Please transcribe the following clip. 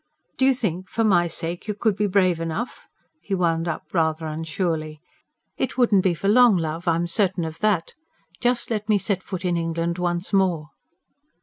"Do you think, for my sake, you could be brave enough?" he wound up, rather unsurely. "It wouldn't be for long, love, I'm certain of that. Just let me set foot in England once more!"